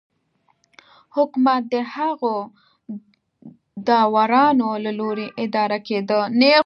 حکومت د هغو داورانو له لوري اداره کېده